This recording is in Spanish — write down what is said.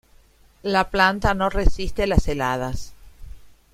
La planta no resiste las heladas.